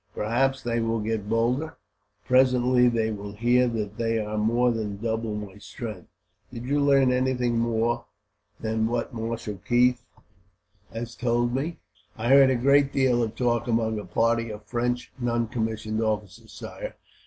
Perhaps they will get bolder, presently, when they hear that they are more than double my strength. Did you learn anything more than what Marshal Keith has told me?" "I heard a great deal of talk among a party of French non commissioned officers, sire.